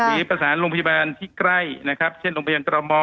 หรือประสานโรงพยาบาลที่ใกล้นะครับเช่นโรงพยาบาลตรม